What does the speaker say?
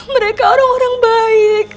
mereka orang orang baik